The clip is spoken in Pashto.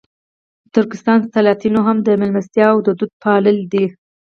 د ترکستان سلاطینو هم د مېلمستیاوو دود پاللی دی.